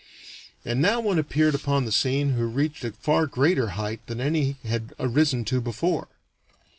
And now one appeared upon the scene who reached a far greater height than any had arisen to before.